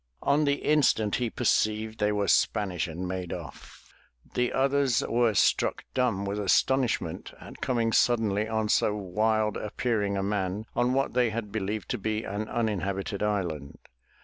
On the instant he perceived they were Spanish and made off. The others were struck dumb with astonishment at coming suddenly on so wild appearing a man on what they had believed to be an uninhabited island.